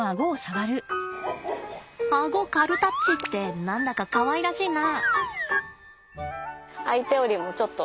あご軽タッチって何だかかわいらしいな。